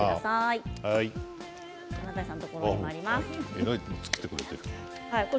えらいのを作ってくれている。